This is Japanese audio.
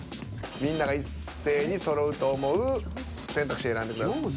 みんなが一斉にそろうと思う選択肢選んでください。